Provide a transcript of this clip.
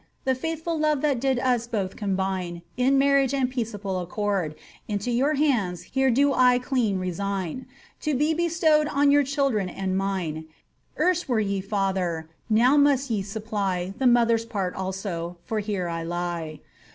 The Aithfnl love that did us both combine In marriage and peaceable concord Into your hands here do I dean resign, To be bestowed on your children and mine; Erst were ye lather, now must ye supply The mother's part also, for here I lie.